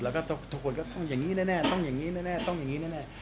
แล้วก็ทุกคนก็ต้องอย่างนี้แน่ต้องอย่างนี้แน่ต้องอย่างนี้แน่